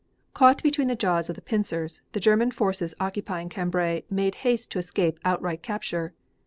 Caught between the jaws of the pincers, the German forces occupying Cambrai made haste to escape outright capture.